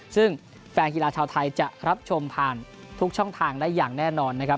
ซึ่งแฟนกีฬาชาวไทยจะรับชมผ่านทุกช่องทางได้อย่างแน่นอนนะครับ